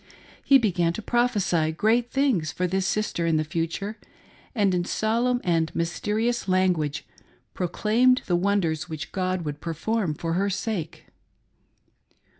He began to prophesy great things for this sister in the future, and in solemn and mys terious language proclaimed the wonders which God would per form for her sake.